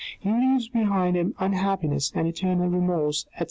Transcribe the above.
He leaves behind him unhappiness and eternal remorse, etc.